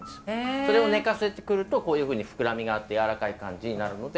それを寝かせてくるとこういうふうに膨らみがあってやわらかい感じになるので。